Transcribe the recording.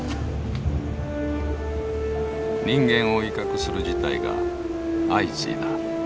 人間を威嚇する事態が相次いだ。